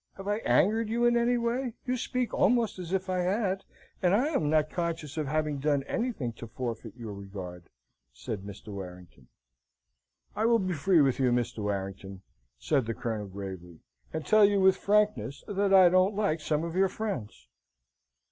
Have I angered you in any way? You speak almost as if I had, and I am not conscious of having done anything to forfeit your regard," said Mr. Warrington. "I will be free with you, Mr. Warrington," said the Colonel, gravely, "and tell you with frankness that I don't like some of your friends!"